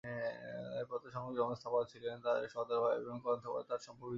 প্রয়াত সাংবাদিক রমেশ থাপার ছিলেন তাঁর সহোদর ভাই এবং করণ থাপার তাঁর সম্পর্কিত ভাই।